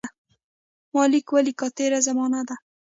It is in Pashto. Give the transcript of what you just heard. ما لیک ولیکه تېره زمانه ده.